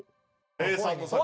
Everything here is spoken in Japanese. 礼二さんの作品。